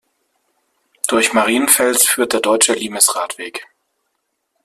Durch Marienfels führt der Deutsche Limes-Radweg.